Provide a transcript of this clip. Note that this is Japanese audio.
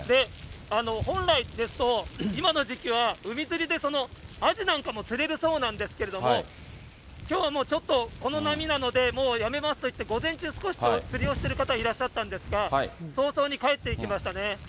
本来ですと今の時期は海釣りで、アジなんかも釣れるそうなんですけれども、きょうはもうちょっとこの波なので、もうやめますと言って、午前中、少し釣りをしている方いらっしゃったんですが、早々に帰っていきましたね。